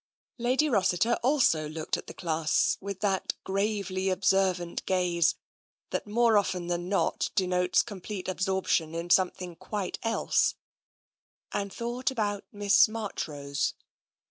Lady Rossiter also looked at the class with that gravely observant gaze that, more often than not, de notes complete absorption in something quite else, and thought about Miss Marchrose.